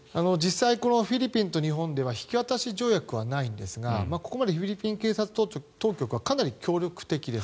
実際フィリピンと日本では引渡し条約はないんですがここまでフィリピン警察当局はかなり協力的です。